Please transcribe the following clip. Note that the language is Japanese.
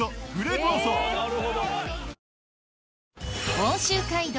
奥州街道